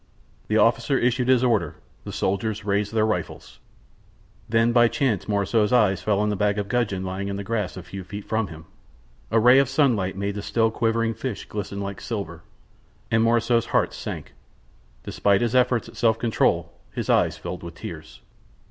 The officer issued his orders; the soldiers raised their rifles. Then by chance Morissot's eyes fell on the bag full of gudgeon lying in the grass a few feet from him. A ray of sunlight made the still quivering fish glisten like silver. And Morissot's heart sank. Despite his efforts at self control his eyes filled with tears.